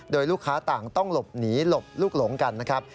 โดยลูกค้าต่างต้องหลบหนีหลบลูกหลงกันนะครับ